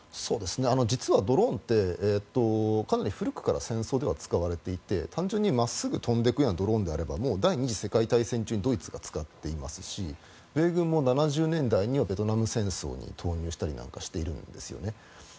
実はドローンってかなり古くから戦争では使われていて単純に真っすぐ飛んでいくドローンであれば第２次世界大戦中にドイツが使っていますし米軍もベトナム戦争に投入したりしているんですね。